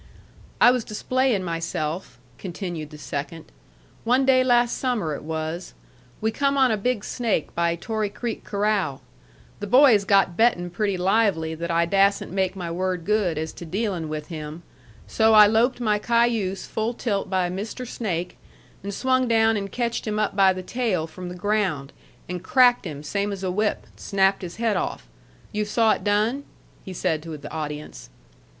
"I was displaying myself," continued the second. "One day last summer it was. We come on a big snake by Torrey Creek corral. The boys got betting pretty lively that I dassent make my word good as to dealing with him, so I loped my cayuse full tilt by Mr. Snake, and swung down and catched him up by the tail from the ground, and cracked him same as a whip, and snapped his head off. You've saw it done?" he said to the audience.